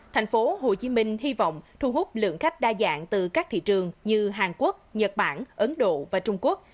tp hcm hy vọng thu hút lượng khách đa dạng từ các thị trường như hàn quốc nhật bản ấn độ và trung quốc